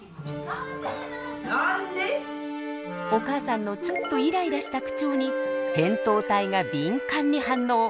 お母さんのちょっとイライラした口調にへんとう体が敏感に反応！